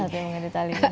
tim pengganti tali